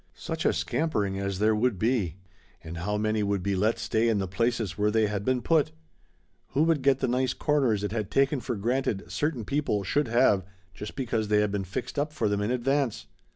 Such a scampering as there would be! And how many would be let stay in the places where they had been put? Who would get the nice corners it had been taken for granted certain people should have just because they had been fixed up for them in advance?